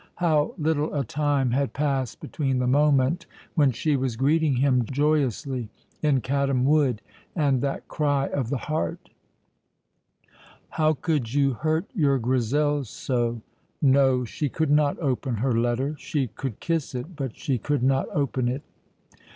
How little a time had passed between the moment when she was greeting him joyously in Caddam Wood and that cry of the heart, "How could you hurt your Grizel so!" No, she could not open her letter. She could kiss it, but she could not open it.